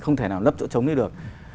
không thể nào lấp chỗ trống như được